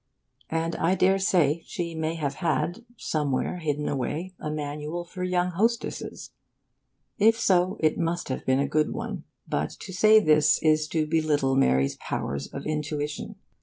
And I daresay she may have had, somewhere hidden away, a manual for young hostesses. If so, it must have been a good one. But to say this is to belittle Mary's powers of intuition.